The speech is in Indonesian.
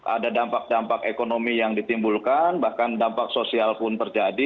ada dampak dampak ekonomi yang ditimbulkan bahkan dampak sosial pun terjadi